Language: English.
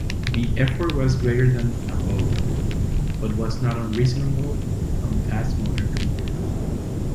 The effort was greater than above, but was not unreasonable on fast modern computers.